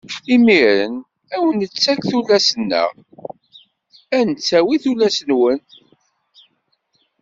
Imiren ad wen-nettak tullas-nneɣ, ad d-nettawi tullas-nwen.